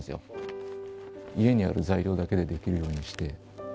家にある材料だけでできるようにして。